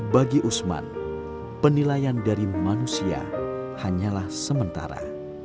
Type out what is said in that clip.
bagi usman penilaian dari manusia hanyalah sementara